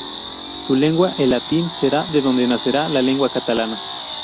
Su lengua, el latín, será de donde nacerá la lengua catalana.